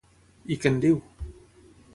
I què en diu?